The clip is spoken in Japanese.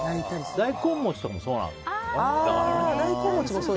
大根餅とかもそうなのかな。